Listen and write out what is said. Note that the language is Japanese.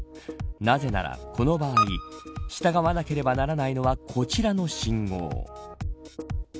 なぜなら、この場合従わなければならないのはこちらの信号。